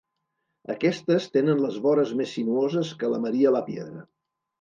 Aquestes tenen les vores més sinuoses que la Maria Lapiedra.